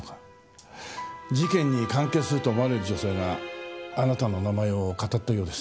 事件に関係すると思われる女性があなたの名前をかたったようです。